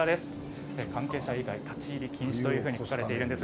関係者以外立ち入り禁止と書かれています。